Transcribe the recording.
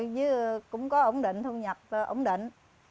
chứ cũng có ổn định thu nhập ổn định